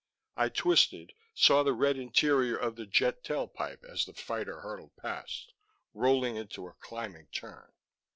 I twisted, saw the red interior of the jet tailpipe as the fighter hurtled past, rolling into a climbing turn.